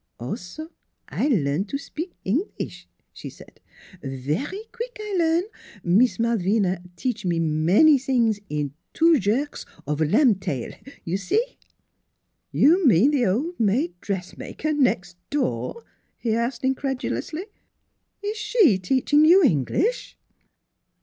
" Also, I learn to spik Englis'," she said. "Vary queek I learn: Mees Malvina teach me many sings in two jerk of lam' tail. You see! " NEIGHBORS 143 " You mean the old maid dressmaker next door?" he asked incredulously. "Is she teach ing you English?